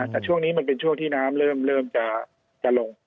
แต่ช่วงนี้มันเป็นช่วงที่น้ำเริ่มจะลง